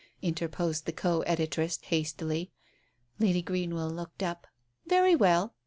interposed the co editress hastily. Lady Greenwell looked up. "Very well."